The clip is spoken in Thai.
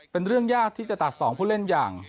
เป็นเรื่องยากที่จะตัด๒ผู้เล่นอย่าง